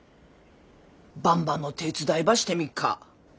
ばんばの手伝いばしてみっか？